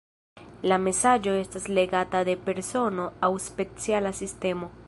La mesaĝo estas legata de persono aŭ speciala sistemo.